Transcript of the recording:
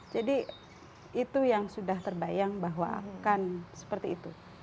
jadi itu yang sudah terbayang bahwa akan seperti itu